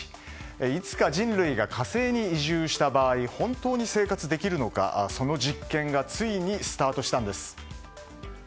いつか人類が火星に移住した場合本当に生活できるのかその実験がついにスタートしたんです。